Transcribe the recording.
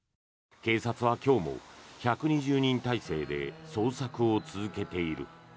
警察は今日も１２０人態勢で捜索を続けている。